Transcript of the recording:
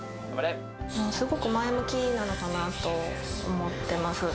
すごく前向きなのかなと思ってます。